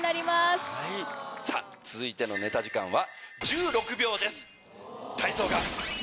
続いてのネタ時間は。